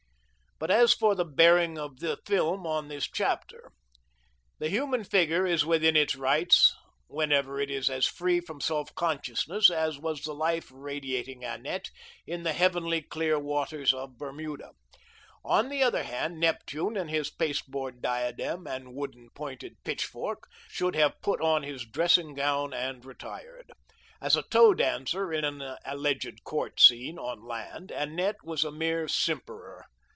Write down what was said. But as for the bearing of the film on this chapter: the human figure is within its rights whenever it is as free from self consciousness as was the life radiating Annette in the heavenly clear waters of Bermuda. On the other hand, Neptune and his pasteboard diadem and wooden pointed pitchfork, should have put on his dressing gown and retired. As a toe dancer in an alleged court scene, on land, Annette was a mere simperer.